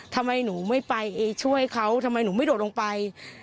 ทำไมหนูไม่ไปช่วยเขาทำไมหนูไม่โดดลงไป